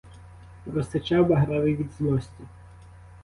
— просичав, багровий від злості.